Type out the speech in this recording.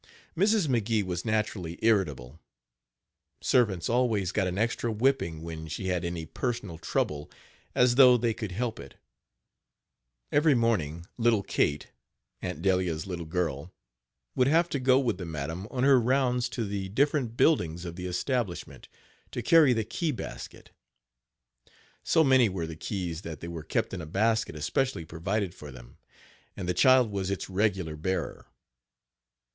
Mrs. McGee was naturally irritable. Servants always got an extra whipping when she had any personal trouble, as though they could help it. Every morning little Kate, Aunt Delia's little girl, would have to go with the madam on her rounds to the different buildings of the establishment, to carry the key basket. So many were the keys that they were kept in a basket especially provided for them, and the child was its regular bearer.